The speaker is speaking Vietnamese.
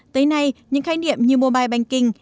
tới nay những khái niệm như mobile banking